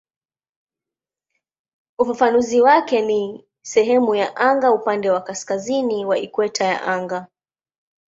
Ufafanuzi wake ni "sehemu ya anga upande wa kaskazini wa ikweta ya anga".